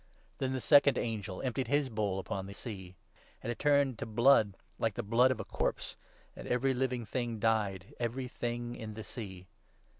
Then the second angel emptied his bowl upon the sea ; and 3 it turned to blood like the blood of a corpse, and every living thing died — everything in the sea.